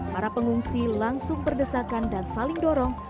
para pengungsi langsung berdesakan dan saling dorong